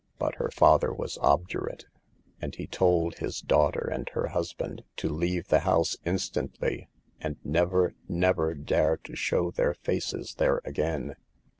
But the father was 80 SAVE THE GIBLS. obdurate, and he told his daughter and her husband to leave the house instantly, and never, never dare to show their faces there again.